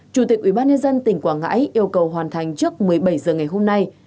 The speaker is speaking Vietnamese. chủ tịch ubnd tỉnh quảng ngãi yêu cầu hoàn thành trước một mươi bảy h ngày hôm nay